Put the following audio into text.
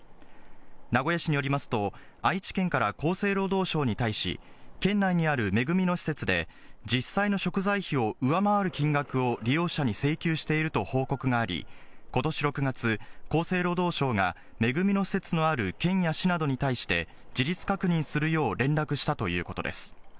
名古屋市によりますと、愛知県から厚生労働省に対し、県内にある恵の施設で、実際の食材費を上回る金額を利用者に請求していると報告があり、ことし６月、厚生労働省が恵の施設のある県や市などに対して、事実確認するよう連絡したということです。